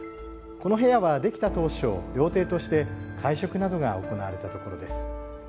この部屋は、できた当初料亭として会食などが行われたところです。